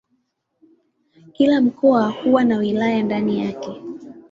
Kila mkoa huwa na wilaya ndani yake.